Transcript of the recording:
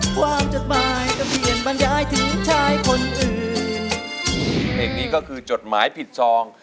เพลงนี้ก็คือจดหมายผิดซอง